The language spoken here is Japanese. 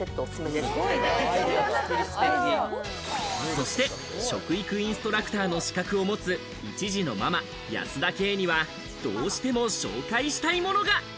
そして、食育インストラクターの資格を持つ１児のママ、保田圭にはどうしても紹介したいものが。